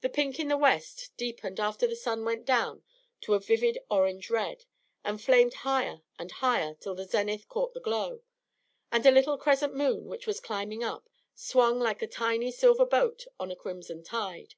The pink in the west deepened after the sun went down to a vivid orange red, and flamed higher and higher till the zenith caught the glow; and a little crescent moon, which was climbing up, swung like a tiny silver boat on a crimson tide.